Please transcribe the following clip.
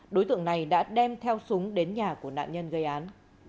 đối tượng này đã đem theo súng đến nhà của nạn nhân gây án